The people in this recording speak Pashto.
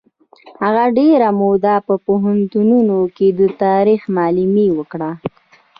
هغه ډېره موده په پوهنتونونو کې د تاریخ معلمي وکړه.